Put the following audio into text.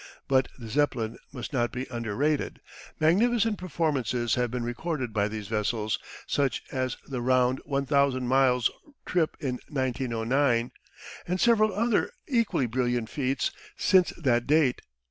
But the Zeppelin must not be under rated. Magnificent performances have been recorded by these vessels, such as the round 1,000 miles' trip in 1909, and several other equally brilliant feats since that date.